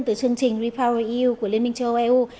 từ chương trình repower eu của liên minh châu âu